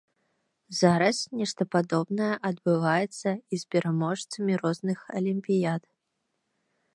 Зараз нешта падобнае адбываецца і з пераможцамі розных алімпіяд.